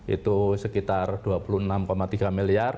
itu sekitar rp dua puluh enam tiga miliar